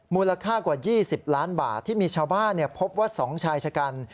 มูลค่ากว่า๒๐ล้านบาทที่มีชาวบ้านพบว่า๒ชายชะกัน